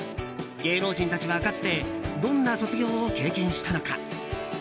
芸能人たちは、かつてどんな卒業を経験したのか。